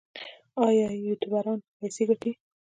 آیا یوټیوبران پیسې ګټي؟